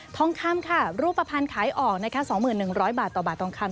ทองคำค่ะรูปภัณฑ์ขายออกนะคะ๒๑๐๐บาทต่อบาททองคำ